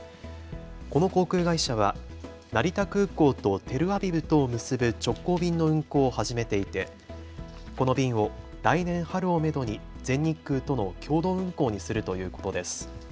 この航空会社は成田空港とテルアビブとを結ぶ直行便の運航を始めていてこの便を来年春をめどに全日空との共同運航にするということです。